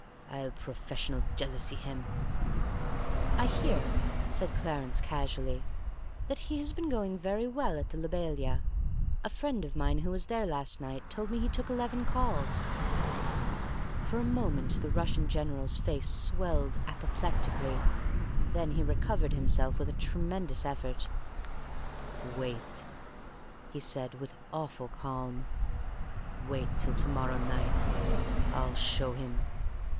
"I'll professional jealousy him!" "I hear," said Clarence casually, "that he has been going very well at the Lobelia. A friend of mine who was there last night told me he took eleven calls." For a moment the Russian General's face swelled apoplectically. Then he recovered himself with a tremendous effort. "Wait!" he said, with awful calm. "Wait till to morrow night! I'll show him!